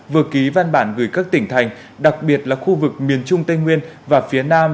vừa ký văn bản gửi các tỉnh thành đặc biệt là khu vực miền trung tây nguyên và phía nam